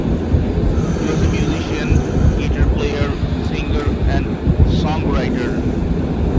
He was a musician, guitar player, singer, and songwriter.